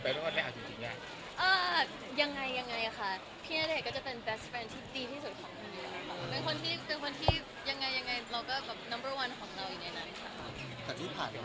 แต่ในความรู้สึกส่วนตัวของเรายังรู้สึกว่าพี่ณเดชน์กับเรายังเหมือนเดิมไหม